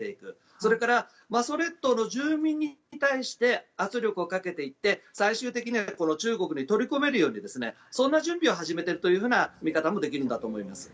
それから馬祖列島の住民に対して圧力をかけていって最終的には中国に取り込めるようにそんな準備を始めているというふうな見方もできるんだと思います。